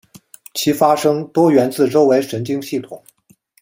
其发生多源自周围神经系统。